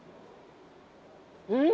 うん！